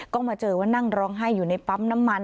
ก็มาเจอว่านั่งร้องไห้อยู่ในปั๊มน้ำมัน